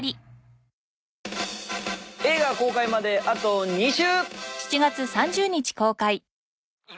映画公開まであと２週！